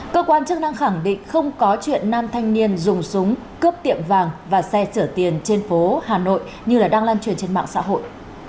cơ quan chức năng khẳng định không có chuyện nam thanh niên dùng súng cướp tiệm vàng và xe chở tiền trên phố hà nội như đang lan truyền trên mạng xã hội